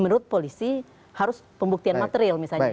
menurut polisi harus pembuktian material misalnya